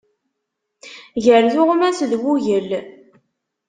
Gar tuɣmas d wugel.